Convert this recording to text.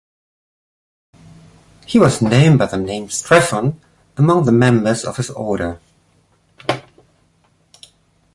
He was known by the name Strephon among the members of this order.